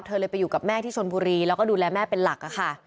เลยไปอยู่กับแม่ที่ชนบุรีแล้วก็ดูแลแม่เป็นหลักค่ะ